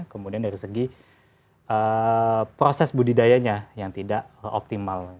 kemudian dari segi proses budidayanya yang tidak optimal